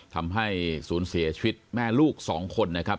ทำให้ศูนย์เสียชีวิตแม่ลูก๒คนนะครับ